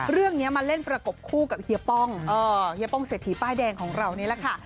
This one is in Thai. เรื่องนี้มาเล่นประกบคู่กับเฮียป้องเฮียป้องเศรษฐีป้ายแดงของเรานี่แหละค่ะ